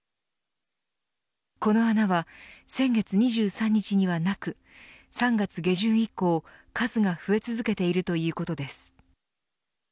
この穴は先月２３日にはなく３月下旬以降数が増え続けているということです。